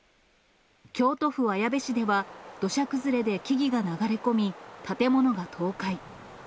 京都府綾部市では、土砂崩れで木々が流れ込み、建物が倒壊。